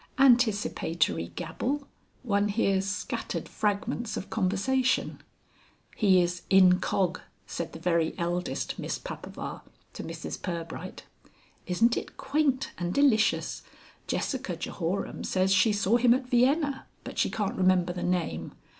Anticipatory gabble one hears scattered fragments of conversation. "He is incog."; said the very eldest Miss Papaver to Mrs Pirbright. "Isn't it quaint and delicious. Jessica Jehoram says she saw him at Vienna, but she can't remember the name.